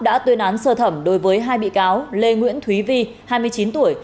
đã tuyên án sơ thẩm đối với hai bị cáo lê nguyễn thúy vi hai mươi chín tuổi